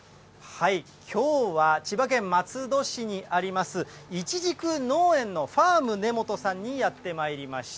きょうは、千葉県松戸市にありますいちじく農園のファーム根本さんにやってまいりました。